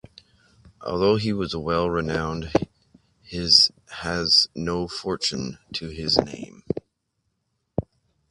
Although he is well renowned his has no fortune to his name.